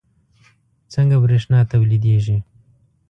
څنګه بریښنا تولیدیږي